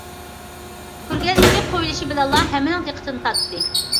كۆرگەزمىگە قويۇلۇشى بىلەنلا ھەممىنىڭ دىققىتىنى تارتتى.